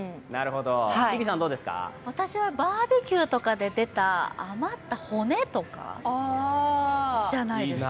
私は、バーベキューとかで出た余った骨とかじゃないですか？